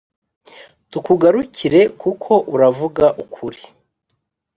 tukugarukire kuko uravuga ukuri